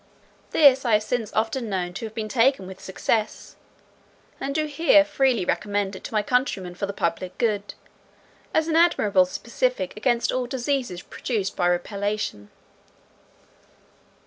This I have since often known to have been taken with success, and do here freely recommend it to my countrymen for the public good, as an admirable specific against all diseases produced by repletion.